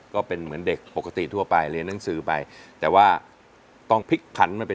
ก็เป็นเหมือนเด็กปกติทั่วไปเรียนหนังสือไปแต่ว่าต้องพลิกผันมาเป็น